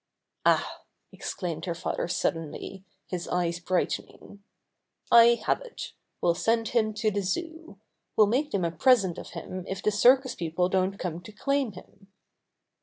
''Ah!" exclaimed her father suddenly, his eyes brightening. "I have it. We'll send him to the Zoo. We'll make them a present of him if the circus people don't come to claim him."